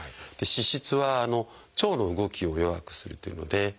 脂質は腸の動きを弱くするというので。